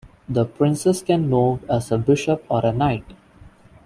The princess can move as a bishop or a knight.